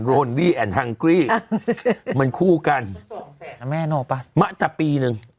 โรนวี่แอนฮังกรีมันคู่กันสองแสนนะแม่โนป่ะมาแต่ปีหนึ่ง